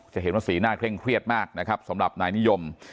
จะเห็นว่าสีหน้าเคร่งเครียดมากนะครับสำหรับนายนิยม